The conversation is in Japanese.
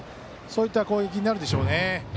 そういった攻撃になるでしょうね。